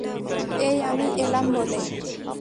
এই আমি এলাম বলে!